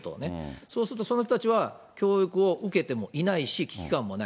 そうするとその人たちは教育を受けてもいないし、危機感もない。